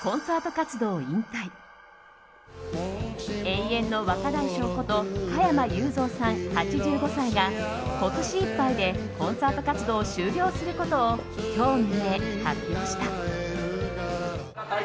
永遠の若大将こと加山雄三さん、８５歳が今年いっぱいでコンサート活動を終了することを今日未明、発表した。